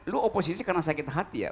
lo oposisi karena sakit hati ya